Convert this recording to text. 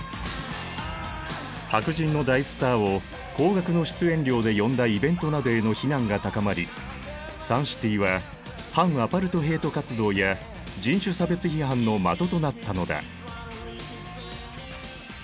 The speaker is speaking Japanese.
白人の大スターを高額の出演料で呼んだイベントなどへの非難が高まりサンシティは反アパルトヘイト活動や人種差別批判の的となったのだ。